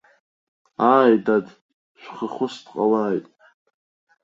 Ааи, дад шәхахәыс дҟалааит!